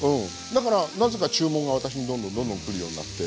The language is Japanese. だからなぜか注文が私にどんどんどんどん来るようになって。